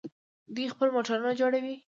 دوی خپل موټرونه جوړوي.